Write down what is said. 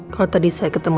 kalau tadi saya ketemu